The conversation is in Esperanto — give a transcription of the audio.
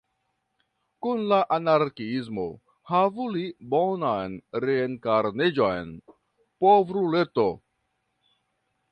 Kun la Anarĥiisto – havu li bonan reenkarniĝon, povruleto!